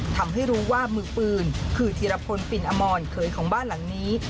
ทำให้รู้ว่ามือปืนคือธีรพลปินอมรเคยของบ้านหลังนี้